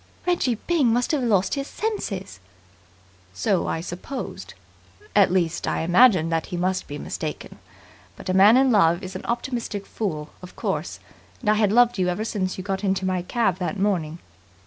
"Reggie Byng must have lost his senses." "So I supposed. At least, I imagined that he must be mistaken. But a man in love is an optimistic fool, of course, and I had loved you ever since you got into my cab that morning